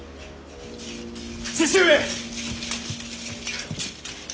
父上！